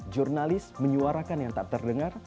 jurnalis menyuarakan yang tak terdengar